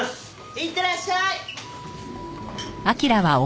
いってらっしゃい。